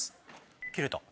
切れた！